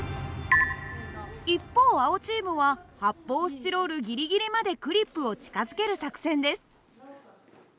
一方青チームは発泡スチロールギリギリまでクリップを近づける作戦です。